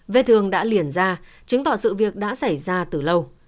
về thường đã liền ra chứng tỏ sự việc đã xảy ra từ lâu